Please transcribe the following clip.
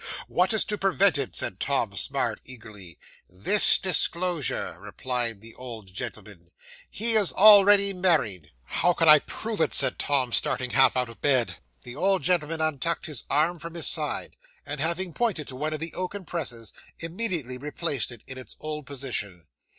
'"What is to prevent it?" said Tom Smart eagerly. '"This disclosure," replied the old gentleman; "he is already married." '"How can I prove it?" said Tom, starting half out of bed. 'The old gentleman untucked his arm from his side, and having pointed to one of the oaken presses, immediately replaced it, in its old position.